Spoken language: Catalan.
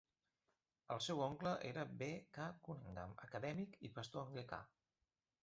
El seu oncle era B. K. Cunningham, acadèmic i pastor anglicà.